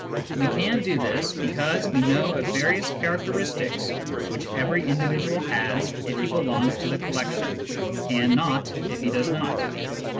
We can do this because we know of various characteristics which every individual has if he belongs to the collection, and not if he does not.